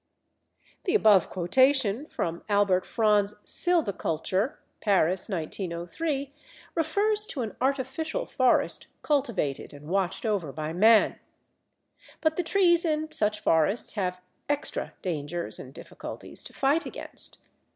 The above quotation from Albert Fron's Sylviculture (Paris, 1903) refers to an artificial forest cultivated and watched over by man. But the trees in such forests have "extra" dangers and difficulties to fight against.